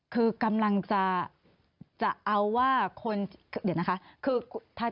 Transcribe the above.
คือกำลังจะเอาว่าคนเดี๋ยวนะคะ